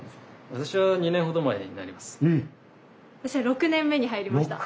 私は６年目に入りました。